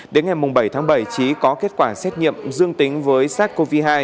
đến ngày bảy tháng bảy trí có kết quả xét nghiệm dương tính với sars cov hai